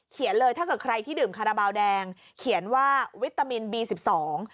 เลยถ้าเกิดใครที่ดื่มคาราบาลแดงเขียนว่าวิตามินบีสิบสอง